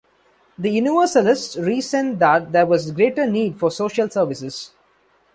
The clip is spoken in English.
The Universalists reasoned that there was greater need for social services.